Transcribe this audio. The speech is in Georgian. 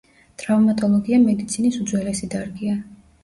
ტრავმატოლოგია მედიცინის უძველესი დარგია.